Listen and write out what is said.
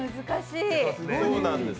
難しい。